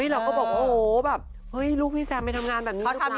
เราก็บอกว่าโอ้ยลูกพี่แซมไปทำงานแบบนี้รึเปล่า